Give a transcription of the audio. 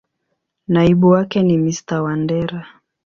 Naibu wake ni Mr.Wandera.